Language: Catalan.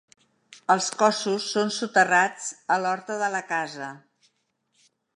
Els cossos són soterrats a l'horta de la casa.